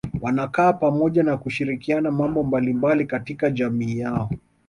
Wanakaa pamoja na kushirikiana mambo mbalimbali katika jamii yao